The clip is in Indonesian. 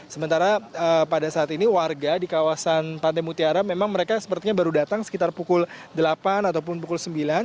sementara pada saat ini warga di kawasan pantai mutiara memang mereka sepertinya baru datang sekitar pukul delapan ataupun pukul sembilan